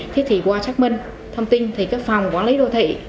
thế thì qua xác minh thông tin thì cái phòng quản lý đô thị